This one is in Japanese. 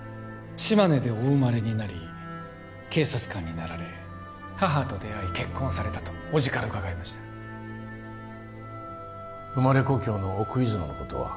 島根でお生まれになり警察官になられ母と出会い結婚されたと伯父から伺いました生まれ故郷の奥出雲のことは？